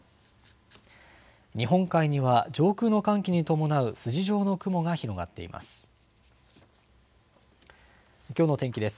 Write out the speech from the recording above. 日本海には上空の寒気に伴う筋状の雲が広がっています。